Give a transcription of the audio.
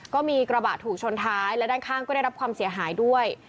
ก็มีกระบะถูกชนท้ายและด้านข้างก็ได้รับความเสียหายด้วย